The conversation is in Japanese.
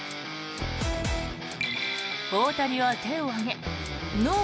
大谷は手を上げノー！